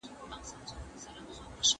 په باغ کي کار کول بدن ته ګټور دی.